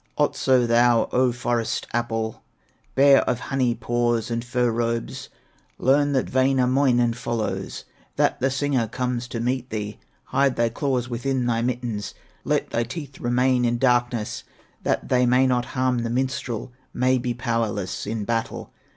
"Otso, thou O Forest apple, Bear of honey paws and fur robes, Learn that Wainamoinen follows, That the singer comes to meet thee; Hide thy claws within thy mittens, Let thy teeth remain in darkness, That they may not harm the minstrel, May be powerless in battle.